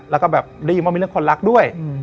แล้วก็แบบได้ยินว่ามีเรื่องคนรักด้วย